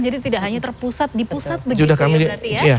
jadi tidak hanya terpusat di pusat begitu ya berarti ya